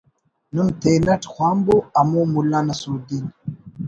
نم تینٹ خوانبو ہمو ملا نصرالدین